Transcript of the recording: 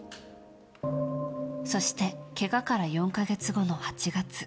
そして、けがから４か月後の８月。